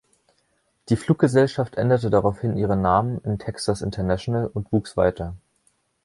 Die Fluggesellschaft änderte daraufhin ihren Namen in Texas International und wuchs weiter.